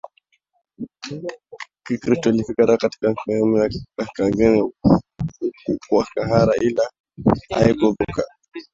Kikristo ilifika haraka katika sehemu ya Kaskazini kwa Sahara ila haikuvuka